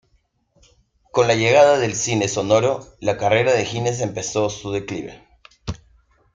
Con la llegada del cine sonoro, la carrera de Hines empezó su declive.